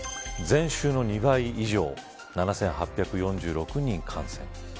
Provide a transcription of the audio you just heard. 前週の２倍以上７８４６人感染。